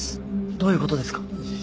どういう事ですか？